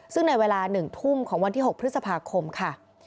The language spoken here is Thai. ซึ่งในเวลา๑ทุ่มของวันที่๖พฤษภาคมค่ะ